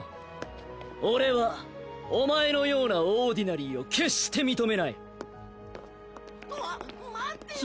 俺はお前のようなオーディナリーを決して認めないおわっ待ってよ